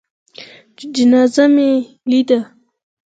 چې جنازه مې لېده.